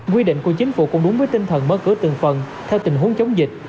quy định của chính phủ cũng đúng với tinh thần mở cửa từng phần theo tình huống chống dịch